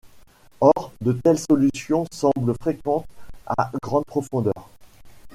Or de telles solutions semblent fréquentes à grande profondeur.